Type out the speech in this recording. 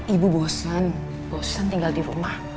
ibu bosan bosan tinggal di rumah